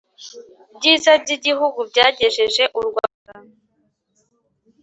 byiza by Igihugu byagejeje u Rwanda